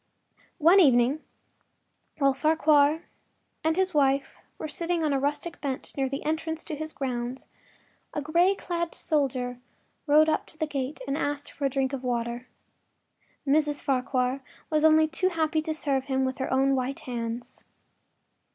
One evening while Farquhar and his wife were sitting on a rustic bench near the entrance to his grounds, a gray clad soldier rode up to the gate and asked for a drink of water. Mrs. Farquhar was only too happy to serve him with her own white hands.